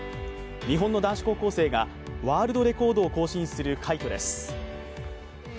日本の男子高校生がワールドレコードを更新する快挙です。